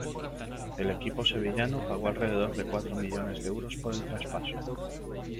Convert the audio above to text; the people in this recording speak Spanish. El equipo sevillano pagó alrededor de cuatro millones de euros por el traspaso.